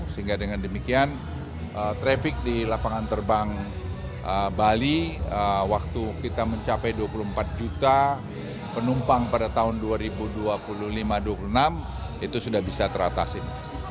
sehingga dengan demikian trafik di lapangan terbang bali waktu kita mencapai dua puluh empat juta penumpang pada tahun dua ribu dua puluh lima dua puluh enam itu sudah bisa teratasin